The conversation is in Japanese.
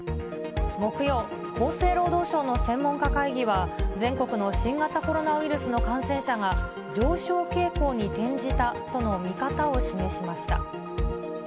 木曜、厚生労働省の専門家会議は、全国の新型コロナウイルスの感染者が上昇傾向に転じたとの見方を示しました。